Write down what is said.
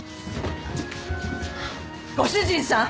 ご主人さん！